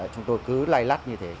chúng tôi cứ lay lắt như thế